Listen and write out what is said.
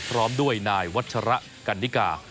พร้อมด้วยนายวัชระกันนิกา